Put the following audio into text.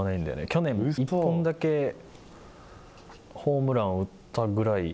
去年１本だけホームランを打ったぐらい。